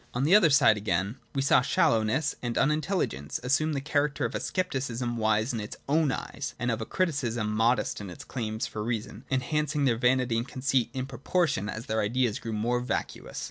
On the other side, again, we saw shallow XVI THE THREE PREFACES ness and unintelligence assume the character of a scepticism wise in its own eyes and of a criticism modest in its claims for reason, enhancing their vanity and conceit in proportion as their ideas grew more vacu ous.